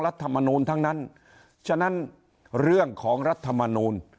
รัฐมนูลทั้งนั้นฉะนั้นเรื่องของรัฐมนูล